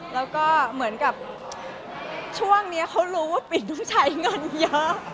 แล้วก็เหมือนกับช่วงนี้เขารู้ว่าปิ่นต้องใช้เงินเยอะ